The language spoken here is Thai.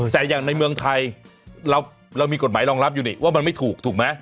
แต่อย่างในเมืองไทยเรามีกฎหมายรองรับอยู่นี่ว่ามันไม่ถูกถูกไหม